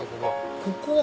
ここは。